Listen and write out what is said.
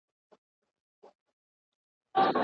د دلارام ولسوالي د تاریخ په اوږدو کي ډېر بدلونونه لیدلي دي